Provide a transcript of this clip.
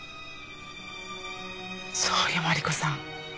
そうよマリコさん。